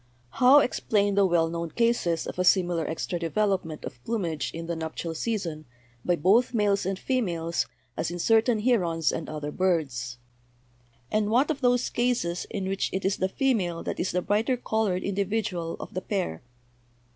"How explain the well known cases of a similar extra development of plumage in the nuptial season by both males and females, as in certain herons and other birds? And what of those cases in which it is the female that is the brighter colored individual of the pair?